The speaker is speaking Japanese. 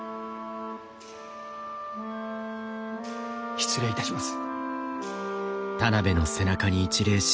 失礼いたします。